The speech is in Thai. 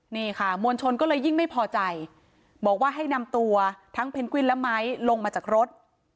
นี่ค่ะมวลชนก็เลยยิ่งไม่พอใจบอกว่าให้นำตัวทั้งเพนกวินและไม้ลงมาจากรถ